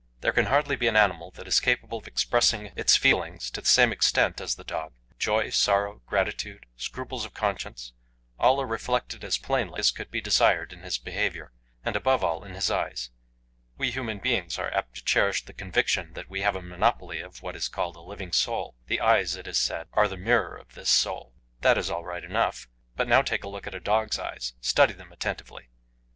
There can hardly be an animal that is capable of expressing its feelings to the same extent as the dog. Joy, sorrow, gratitude, scruples of conscience, are all reflected as plainly as could be desired in his behaviour, and above all in his eyes. We human beings are apt to cherish the conviction that we have a monopoly of what is called a living soul; the eyes, it is said, are the mirror of this soul. That is all right enough; but now take a look at a dog's eyes, study them attentively.